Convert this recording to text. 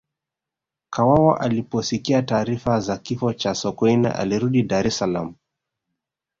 kawawa aliposikia taarifa za kifo cha sokoine alirudi dar es Salaam